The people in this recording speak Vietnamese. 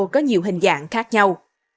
có nhiều hình dạng khác nhau